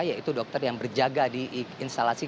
yaitu dokter yang berjaga di instalasi